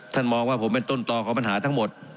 มองว่าผมเป็นต้นต่อของปัญหาทั้งหมด